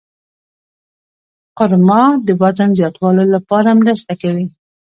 خرما د وزن زیاتولو لپاره مرسته کوي.